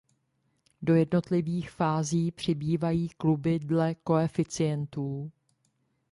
Do jednotlivých fází přibývají kluby dle koeficientů.